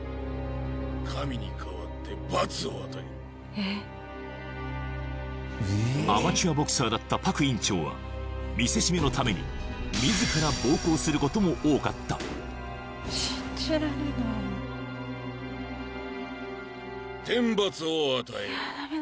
神に代わって罰を与えるアマチュアボクサーだったパク院長は見せしめのために自ら暴行することも多かった天罰を与えるおら！